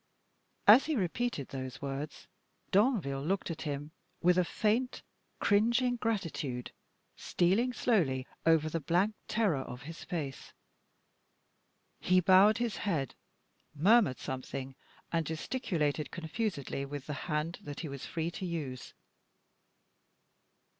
As he repeated those words, Danville looked at him with a faint, cringing gratitude, stealing slowly over the blank terror of his face. He bowed his head, murmured something, and gesticulated confusedly with the hand that he was free to use.